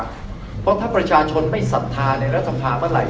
เพราะถ้าประชาชนไม่ศรัทธาในรัฐสภาเมื่อไหร่